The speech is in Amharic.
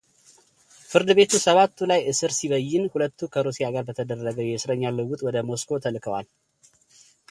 ፍርድ ቤት ሰባቱ ላይ እሥር ሲበይን ሁለቱ ከሩሲያ ጋር በተደረገ የእሥረኛ ልውውጥ ወደ ሞስኮው ተልከዋል።